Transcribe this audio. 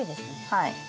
はい。